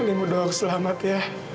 kamila kamu harus selamat ya